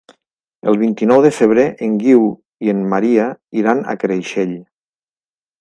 El vint-i-nou de febrer en Guiu i en Maria iran a Creixell.